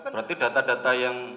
berarti data data yang